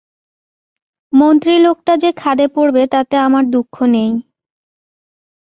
মন্ত্রী লোকটা যে খাদে পড়বে তাতে আমার দুঃখ নেই।